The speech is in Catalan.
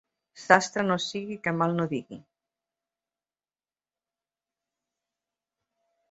Sastre no sigui que mal no digui.